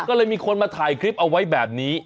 ก็เลยมีคนมาถ่ายคลิปเอาไว้แบบนี้